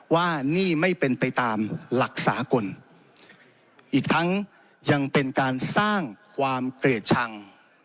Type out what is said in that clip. ว่านี่ไม่เป็นไปตามหลักสากลอีกทั้งยังเป็นการสร้างความเกลียดชัง